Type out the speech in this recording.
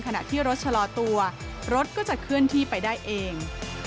ขณะที่รถชะลอตัวรถก็จะเคลื่อนที่ไปได้เอง